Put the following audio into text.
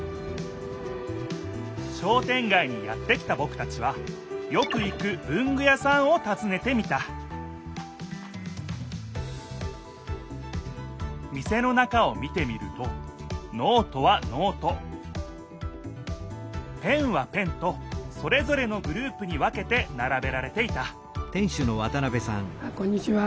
商店街にやって来たぼくたちはよく行く文具屋さんをたずねてみた店の中を見てみるとノートはノートペンはペンとそれぞれのグループに分けてならべられていたこんにちは。